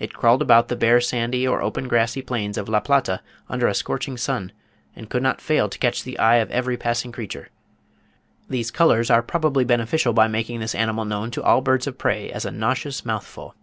It crawled about the bare sandy or open grassy plains of La Plata under a scorching sun, and could not fail to catch the eye of every passing creature. These colours are probably beneficial by making this animal known to all birds of prey as a nauseous mouthful.